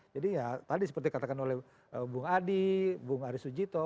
jadi ya tadi seperti katakan oleh bung adi bung arisujito